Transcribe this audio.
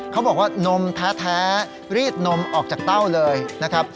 เขาบอกว่านมแท้รีดนมออกจากเต้าเลยนะครับ